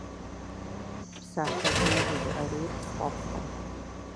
Псалъэ лей жызыӏэрейр сфӏэфӏкъым.